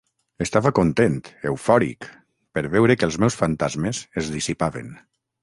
Estava content, eufòric, per veure que els meus fantasmes es dissipaven.